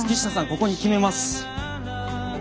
ここに決めます。